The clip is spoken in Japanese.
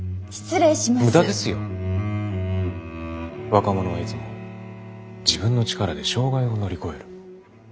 若者はいつも自分の力で障害を乗り越える。